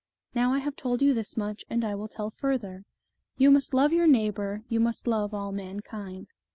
Now I have told you this much, and I will tell further, ' You must love your neighbour, you must love all mankind.'